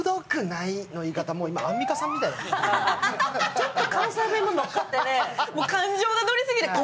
ちょっと関西弁ものっかってね。